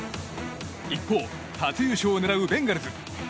一方、初優勝を狙うベンガルズ。